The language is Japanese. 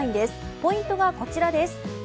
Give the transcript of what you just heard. ポイントはこちらです。